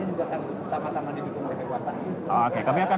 sama sama di dukung oleh kekuasaan